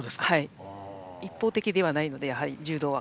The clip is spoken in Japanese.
一方的ではないので柔道は。